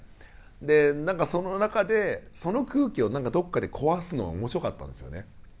で何かその中でその空気をどっかで壊すのが面白かったんですよね。